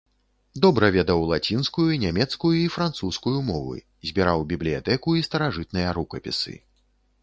Добра ведаў лацінскую, нямецкую і французскую мовы, збіраў бібліятэку і старажытныя рукапісы.